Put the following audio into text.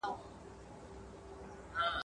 وايي رود چي سمندر ته دا خلیږي ..